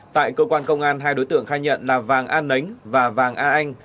tại cơ quan công an hai đối tượng khai nhận là vàng an nấnh và vàng a anh